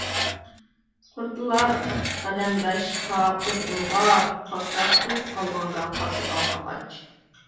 قۇرتلار قەدەمداش قاغا-قۇزغۇنغا، قاسراقسىز قالغاندا قاتمىغان قاقاچ.